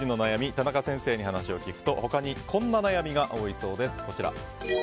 田中先生に話を聞くと他にこんな悩みが多いそうです。